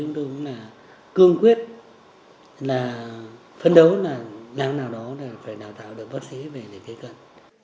tôi cũng là cương quyết là phấn đấu là lần nào đó là phải đào tạo được bác sĩ về lịch kế cân